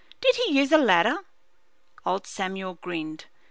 Did he use a ladder?" Old Samuel grinned.